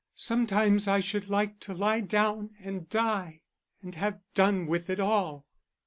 Sometimes I should like to lie down and die, and have done with it all."